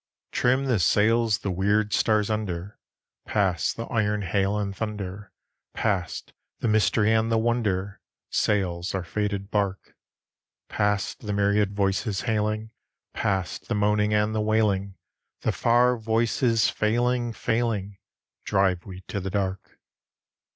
Trim the sails the weird stars under— Past the iron hail and thunder, Past the mystery and the wonder, Sails our fated bark; Past the myriad voices hailing, Past the moaning and the wailing, The far voices failing, failing, Drive we to the dark.